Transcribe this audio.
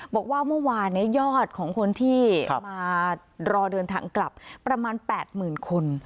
บอกว่าเมื่อวานยอดของคนที่มารอเดินทางกลับประมาณ๘๐๐๐คน